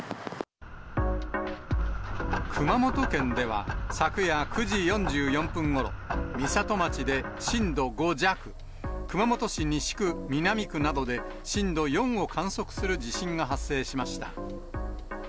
熊本県では昨夜９時４４分ごろ、美里町で震度５弱、熊本市西区、南区などで震度４を観測する地震が発生しました。